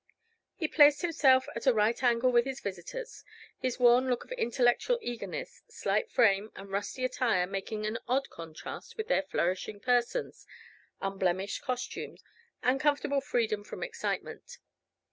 He placed himself at a right angle with his visitors, his worn look of intellectual eagerness, slight frame, and rusty attire, making an odd contrast with their flourishing persons, unblemished costume, and comfortable freedom from excitement.